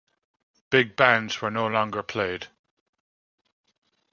Big bands were no longer played.